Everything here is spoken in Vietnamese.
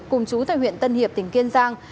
cùng chú tại huyện tân hiệp tỉnh kiên giang